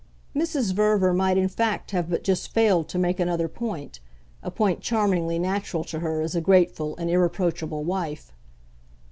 Mrs. Verver might in fact have but just failed to make another point, a point charmingly natural to her as a grateful and irreproachable wife.